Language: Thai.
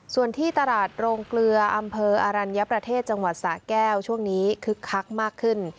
ส่วนที่ตลาดโรงเกลืออำเภออรัญญประเทศจังหวัดสะแก้วช่วงนี้คึกคักมากขึ้น